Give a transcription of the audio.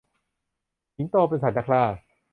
สิงโตเป็นสัตว์นักล่า